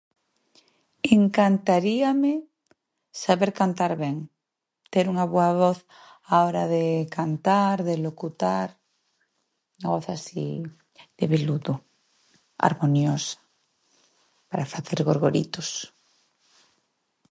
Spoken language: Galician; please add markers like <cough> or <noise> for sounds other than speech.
Encantaríame saber cantar ben, ter unha boa voz a hora de cantar, de locutar. Unha voz así de, <unintelligible> harmoniosa para facer gogoritos.